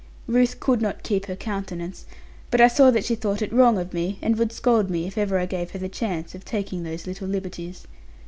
Ruth could not keep her countenance: but I saw that she thought it wrong of me; and would scold me, if ever I gave her the chance of taking those little liberties.